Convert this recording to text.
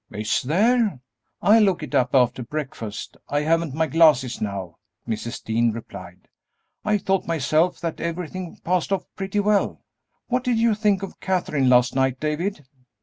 "Is there? I'll look it up after breakfast; I haven't my glasses now," Mrs. Dean replied. "I thought myself that everything passed off pretty well. What did you think of Katherine last night, David?"